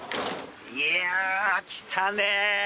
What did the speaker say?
いやー、来たね。